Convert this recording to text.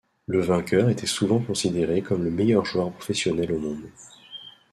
Le vainqueur était souvent considéré comme le meilleur joueur professionnel au monde.